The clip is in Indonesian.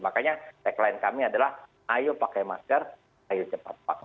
makanya tagline kami adalah ayo pakai masker ayo cepat pakai masker